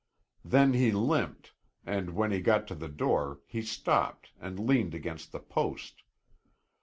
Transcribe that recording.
Then he limped, and when he got to the door he stopped and leaned against the post.